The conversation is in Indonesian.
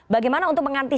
bagaimana untuk mengenal ini